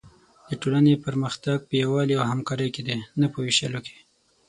د ټولنې پرمختګ په یووالي او همکارۍ کې دی، نه په وېشلو کې.